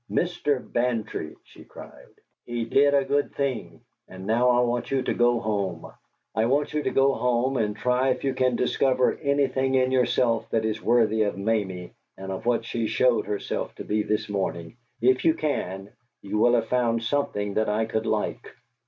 "Mr. Bantry," she cried, "he did a good thing! And now I want you to go home. I want you to go home and try if you can discover anything in yourself that is worthy of Mamie and of what she showed herself to be this morning! If you can, you will have found something that I could like!"